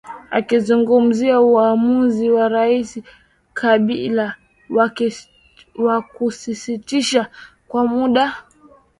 akizungumzia uamuzi wa rais kabila wakusitisha kwa muda